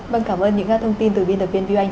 vâng cảm ơn những thông tin từ viên tập viên viu anh